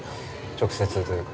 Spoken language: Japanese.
◆直接というか。